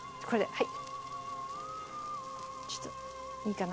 はい。